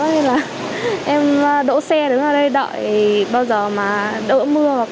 thế là em đổ xe đứng ở đây đợi bao giờ mà đỡ mưa